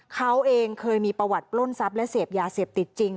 เขาเองเคยมีประวัติปล้นทรัพย์และเสพยาเสพติดจริง